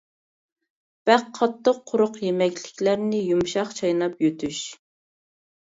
بەك قاتتىق-قۇرۇق يېمەكلىكلەرنى يۇمشاق چايناپ يۇتۇش.